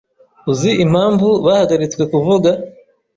Uzi impamvu bahagaritse kuvuga?